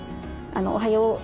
「おはよう。